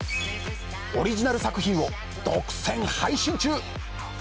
オリジナル作品を独占配信中。